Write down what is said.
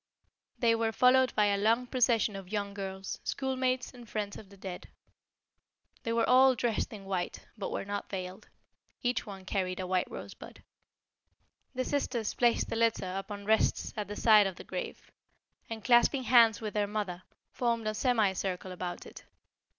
They were followed by a long procession of young girls, schoolmates and friends of the dead. They were all dressed in white, but were not veiled. Each one carried a white rosebud. The sisters placed the litter upon rests at the side of the grave, and clasping hands with their mother, formed a semicircle about it.